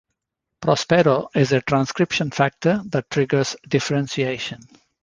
Prospero is a transcription factor that triggers differentiation.